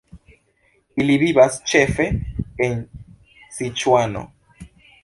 Ili vivas ĉefe en Siĉuano.